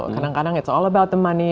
kadang kadang itu semua tentang uang